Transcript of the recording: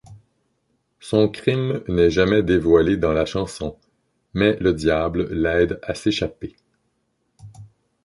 Son crime n'est jamais dévoilé dans la chanson, mais le diable l'aide à s'échapper.